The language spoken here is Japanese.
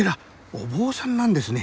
お坊さんなんですね。